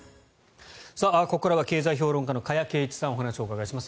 ここからは経済評論家の加谷珪一さんお話をお伺いします。